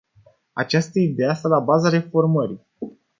Această idee a stat la baza reformării.